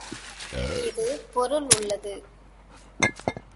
இது பொருள் உளளது.